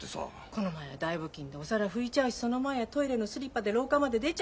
この前は台布巾でお皿拭いちゃうしその前はトイレのスリッパで廊下まで出ちゃうしその前は。